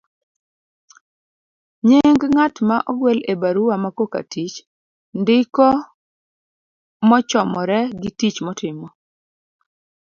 nying ng'at ma ogwel e barua makoka tich ndiko mochomore gi tich motimo